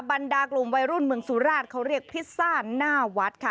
บรรดากลุ่มวัยรุ่นเมืองสุราชเขาเรียกพิซซ่าหน้าวัดค่ะ